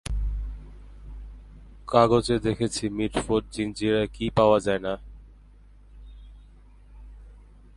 কাগজে দেখেছি মিটফোর্ড জিঞ্জিরায় কি পাওয়া যায় না?